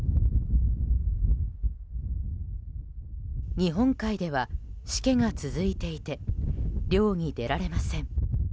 日本海では、しけが続いていて漁に出られません。